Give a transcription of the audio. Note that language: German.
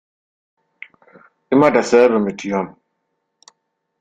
Immer dasselbe mit dir.